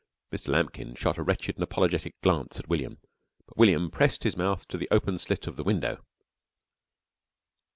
Mr. Lambkin shot a wretched and apologetic glance at William, but William pressed his mouth to the open slit of the window.